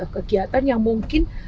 kegiatan yang mungkin